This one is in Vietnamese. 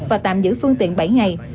và tạm giữ phương tiện bảy ngày